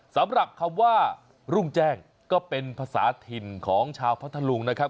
สำหรับคำว่ารุ่งแจ้งก็เป็นภาษาถิ่นของชาวพัทธลุงนะครับ